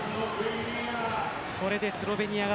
これでスロベニアが